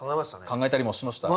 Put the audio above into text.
考えたりもしました。